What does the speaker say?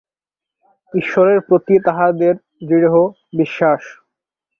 ঈশ্বরের প্রতি তাহাদের দৃঢ় বিশ্বাস।